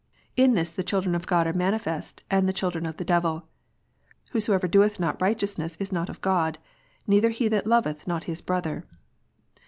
"In this the children of God are manifest, and the children of the devil : whosoever doeth not righteousness is not of God, neither he that loveth not his brother."